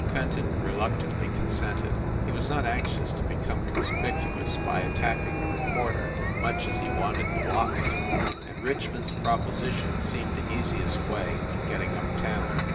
Fenton reluctantly consented. He was not anxious to become conspicuous by attacking the reporter, much as he wanted the locket and Richmond s proposition seemed the easiest way of getting up town.